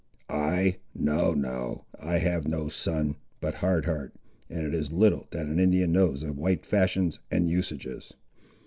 "I! no, no, I have no son, but Hard Heart, and it is little that an Indian knows of White fashions and usages.